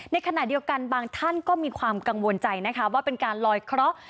ในขณะเดียวกันบางท่านก็มีความกังวลใจนะคะว่าเป็นการลอยเคราะห์